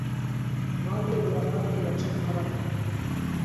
Маугли уларға көнләшеп ҡараны.